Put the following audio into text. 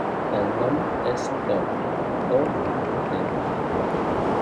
El nom és Ot: o, te.